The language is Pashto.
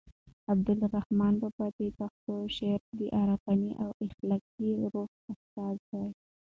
عبدالرحمان بابا د پښتو شعر د عرفاني او اخلاقي روح استازی دی.